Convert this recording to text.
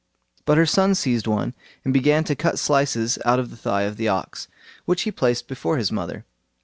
But her son seized one, and began to cut slices out of the thigh of the ox, which he placed before his mother.